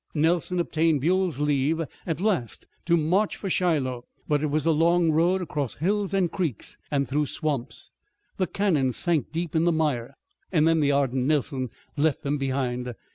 Nelson obtained Buell's leave at last to march for Shiloh, but it was a long road across hills and creeks and through swamps. The cannon sank deep in the mire, and then the ardent Nelson left them behind.